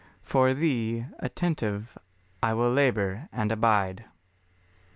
For Thee, Attentive I will labour and abide.